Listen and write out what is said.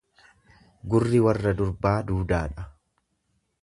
Gurrii warra durbaa duudaadha.